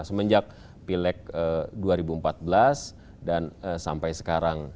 semenjak pilek dua ribu empat belas dan sampai sekarang